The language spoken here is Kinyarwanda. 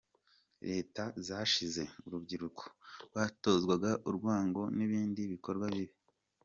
Leta zashize urubyiruko rwatozwaga urwango n’ibindi bikorwa bibi.